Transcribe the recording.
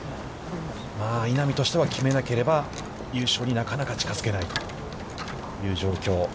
稲見としては決めなければ優勝になかなか近づけないという状況。